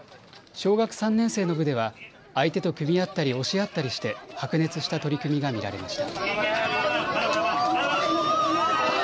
小学３年生の部では相手と組み合ったり押し合ったりして白熱した取組が見られました。